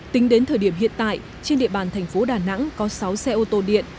tính đến thời điểm hiện tại trên địa bàn thành phố đà nẵng có sáu xe ô tô điện